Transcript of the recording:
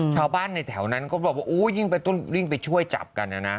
ชาวบ้านในแถวนั้นเขาบอกว่าอุ้ยยิ่งไปช่วยจับกันนะนะ